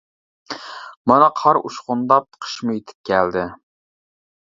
مانا قار ئۇچقۇنداپ قىشمۇ يېتىپ كەلدى.